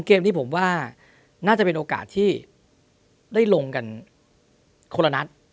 เกมนี้ผมว่าน่าจะเป็นโอกาสที่ได้ลงกันคนละนัด